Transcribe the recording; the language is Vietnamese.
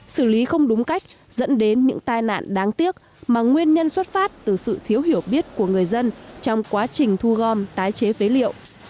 xử lý không đúng cách dẫn đến những tai nạn đáng tiếc mà nguyên nhân xuất phát từ sự thiếu hiểu biết của người dân trong quá trình thu gom tái chế phế liệu